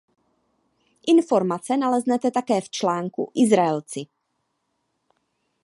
Informace naleznete také v článku Izraelci.